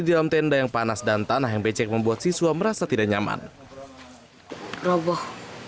di dalam tenda yang panas dan tanah yang becek membuat siswa merasa tidak nyaman roboh